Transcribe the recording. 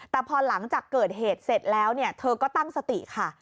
แต่พอหลังจากเกิดเหตุเสร็จแล้วเนี่ยเธอก็ตั้งสติค่ะ